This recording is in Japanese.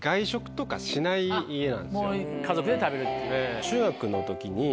もう家族で食べるっていう。